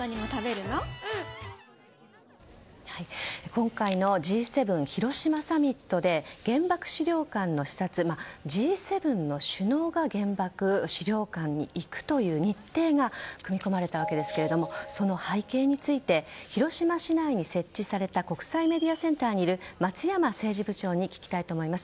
今回のＧ７広島サミットで原爆資料館の視察Ｇ７の首脳が原爆資料館に行くという日程が組み込まれたわけですがその背景について広島市内に設置された国際メディアセンターにいる松山政治部長に聞きたいと思います。